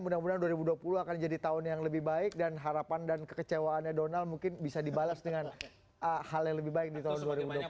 mudah mudahan dua ribu dua puluh akan jadi tahun yang lebih baik dan harapan dan kekecewaannya donald mungkin bisa dibalas dengan hal yang lebih baik di tahun dua ribu dua puluh empat